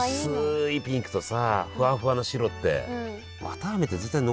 薄いピンクとさフワフワの白って。